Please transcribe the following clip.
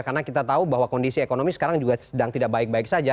karena kita tahu bahwa kondisi ekonomi sekarang juga sedang tidak baik baik saja